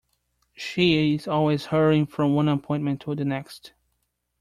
She is always hurrying from one appointment to the next.